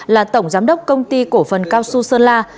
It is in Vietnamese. là tổng giám đốc công ty cổ phần cao xu sơn la